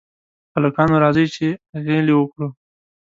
هلکانو! راځئ چې غېلې وکړو.